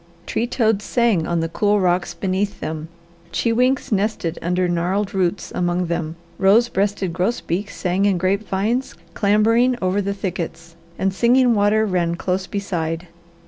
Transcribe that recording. Tree toads sang on the cool rocks beneath them, chewinks nested under gnarled roots among them, rose breasted grosbeaks sang in grape vines clambering over the thickets, and Singing Water ran close beside.